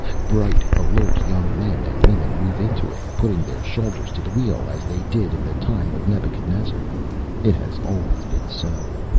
Bright, alert young men and women move into it, putting their shoulders to the wheel as they did in the time of Nebuchadnezzar. It has always been so.